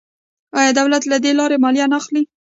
آیا دولت له دې لارې مالیه نه اخلي؟